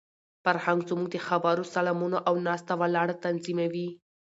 فرهنګ زموږ د خبرو، سلامونو او ناسته ولاړه تنظیموي.